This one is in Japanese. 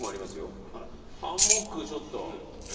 ハンモックちょっと。